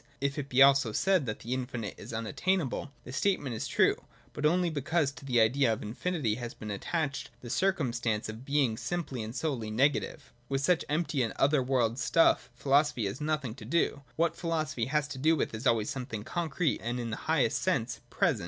If it be also said, that the infinite is unattainable, the statement is true, but only because to the idea of infinity has been attached the circumstance of being simply and solely negative. With such empty and other world stuff philosophy has nothing to do. What philosophy has to do with is always something concrete and in the highest sense present.